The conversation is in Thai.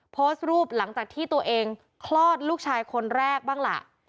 โพสต์รูปหลังจากที่ตัวเองคลอดลูกชายคนแรกบ้างล่ะ